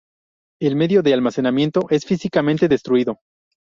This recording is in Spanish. El medio de almacenamiento es físicamente destruido.